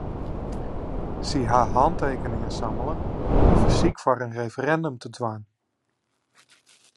Sy ha hantekeningen sammele om in fersyk foar in referindum te dwaan.